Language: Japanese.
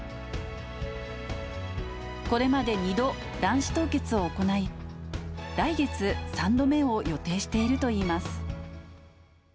これまで２度、卵子凍結を行い、来月、３度目を予定しているといいます。